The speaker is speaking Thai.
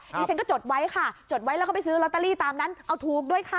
ดิฉันก็จดไว้ค่ะจดไว้แล้วก็ไปซื้อลอตเตอรี่ตามนั้นเอาถูกด้วยค่ะ